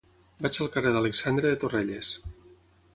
Vaig al carrer d'Alexandre de Torrelles.